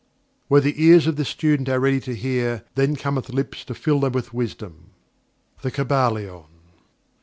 "When the ears of the student are ready to hear, then cometh the lips to fill them with Wisdom." The Kybalion.